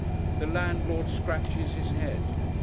The landlord scratches his head.